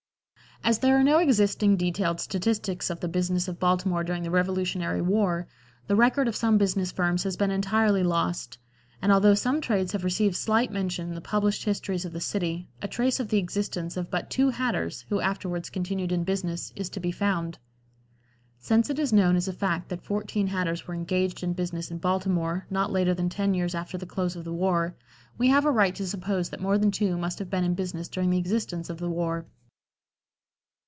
As there are no existing detailed statistics of the business of Baltimore during the Revolutionary War, the record of some business firms has been entirely lost, and although some trades have received slight mention in the published histories of the city, a trace of the existence of but two hatters, who afterwards continued in business, is to be found. Since it is known as a fact that fourteen hatters were engaged in business in Baltimore, not later than ten years after the close of the war, we have a right to suppose that more than two must have been in business during the existence of the war.